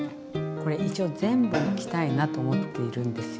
これ一応全部いきたいなと思っているんですよ。